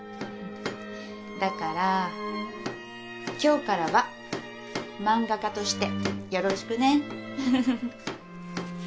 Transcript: だから今日からは漫画家としてよろしくねフフフフ。